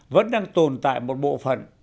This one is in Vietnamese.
vẫn đang tồn tại một bộ phận